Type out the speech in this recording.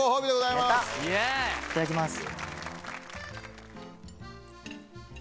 いただきます。